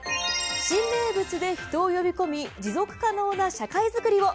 新名物で人を呼び込み持続可能な社会作りを。